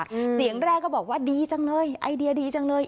เสียงแรกก็บอกว่าดีจังเลยไอเดียดีจังเลย